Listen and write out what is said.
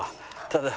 ただ。